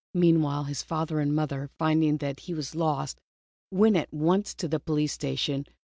Meanwhile, his father and mother, find ing that he was lost, went at once to the police station.